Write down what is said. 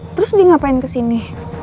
terus dia ngapain kesini